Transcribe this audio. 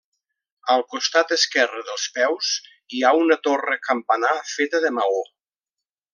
Al costat esquerre dels peus hi ha una torre campanar feta de maó.